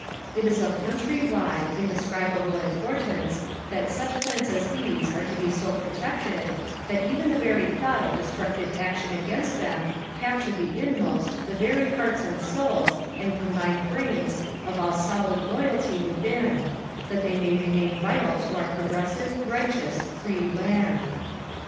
It is of country wide, indescribable importance that such plants as are these be so protected that even the very thought of destructive action against them capture the inmost, the very hearts and souls and combined brains of all solid loyalty within, that they may remain vital to our progressive, righteous, free land.